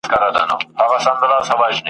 زړه می هر گړی ستا سترگي راته ستایی ..